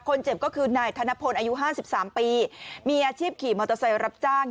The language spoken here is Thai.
คนเจ็บก็คือนายธนพลอายุห้าสิบสามปีมีอาชีพขี่มอเตอร์ไซค์รับจ้าง